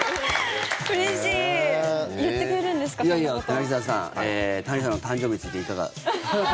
柳澤さん、谷さんの誕生日についていかが。